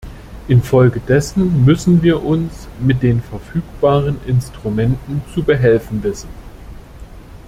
Infolgedessen müssen wir uns mit den verfügbaren Instrumenten zu behelfen wissen.